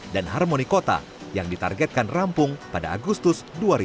dan harmoni kota yang ditargetkan rampung pada agustus dua ribu dua puluh tujuh